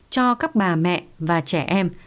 cho các bà mẹ và trẻ em